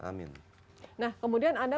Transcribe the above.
amin nah kemudian anda